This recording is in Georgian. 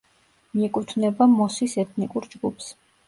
მიეკუთვნება მოსის ეთნიკურ ჯგუფს.